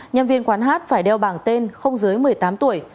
nhân viên quán hát phải đeo bảng tên không dưới một mươi tám tuổi